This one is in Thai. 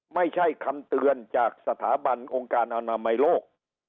ไม่ใช่คำเตือนจากสถาบันองค์การอนามัยโลก